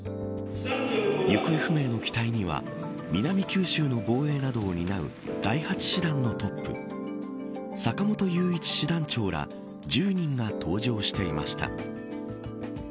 行方不明の機体には南九州の防衛などを担う第８師団のトップ坂本雄一師団長ら１０人が搭乗していました。